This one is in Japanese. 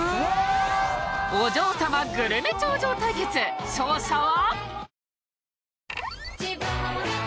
お嬢様グルメ頂上対決勝者は！？